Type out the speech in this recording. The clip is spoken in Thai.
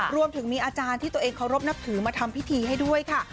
รวมถึงมีอาจารย์ที่ตัวเองเคารพนับถือมาทำพิธีให้ด้วยค่ะ